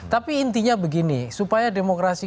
tapi intinya begini supaya demokrasi